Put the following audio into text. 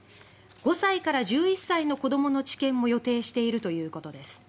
５歳から１１歳の子どもの治験も予定しているということです。